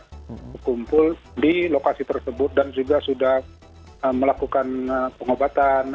berkumpul di lokasi tersebut dan juga sudah melakukan pengobatan